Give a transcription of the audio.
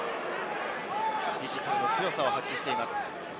フィジカルの強さを発揮しています。